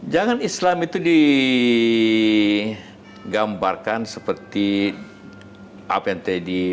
jangan islam itu digambarkan seperti apa yang tadi